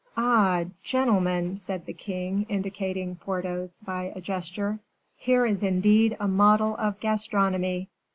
"Ah! gentlemen," said the king, indicating Porthos by a gesture, "here is indeed a model of gastronomy.